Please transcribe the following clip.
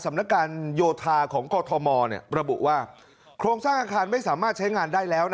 สำนักการโยทาผมโครมทรมอลเนี่ยระบุว่าโครงสร้างอาคารไม่สามารถใช้งานได้แล้วนะครับ